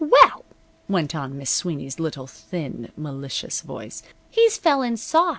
"Well," went on Miss Sweeney's little thin, malicious voice, "he's fell in soft.